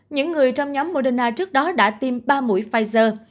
những người trong nhóm moderna trước đó đã tiêm ba mũi pfizer